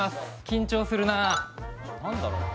緊張するな何だろう？